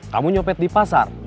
kamu nyopet di pasar